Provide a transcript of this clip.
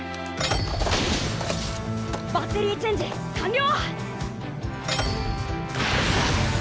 バッテリーチェンジ完了！